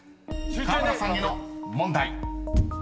［河村さんへの問題］